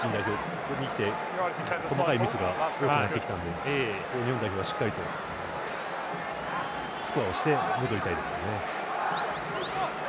ここにきて細かいミスが多くなってきたので日本代表は、しっかりとスコアをして戻りたいですね。